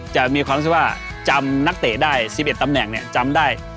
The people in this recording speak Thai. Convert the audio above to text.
จะมีความคิดว่าจำนักเตะได้๑๑ตำแหน่งเนี่ยจำได้